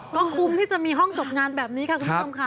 ก็คุ้มที่จะมีห้องจบงานแบบนี้ค่ะคุณผู้ชมค่ะ